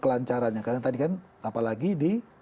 kelancarannya karena tadi kan apalagi di